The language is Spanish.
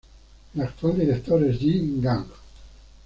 El actual director es Yi Gang.